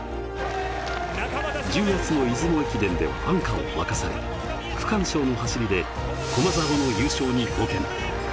１０月の出雲駅伝ではアンカーを任され、区間賞の走りで駒澤の優勝に貢献。